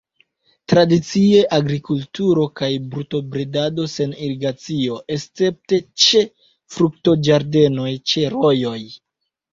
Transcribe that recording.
Tradicie agrikulturo kaj brutobredado sen irigacio, escepte ĉe fruktoĝardenoj ĉe rojoj.